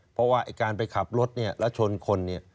เพราะว่าไอ้การไปขับรถเนี่ยแล้วชนคนเนี่ย